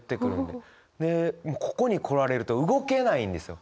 でここに来られると動けないんですよ。